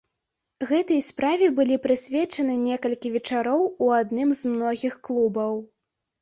Гэтай справе былі прысвечаны некалькі вечароў у адным з многіх клубаў.